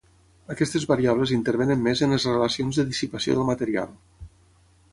Aquestes variables intervenen més en les relacions de dissipació del material.